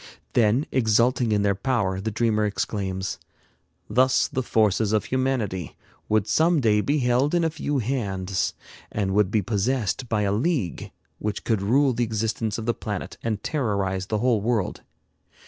Then, exulting in their power, the dreamer exclaims: "Thus the forces of humanity would some day be held in a few hands, and would be possessed by a league which could rule the existence of the planet and terrorize the whole world.